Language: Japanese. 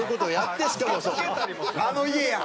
あの家や。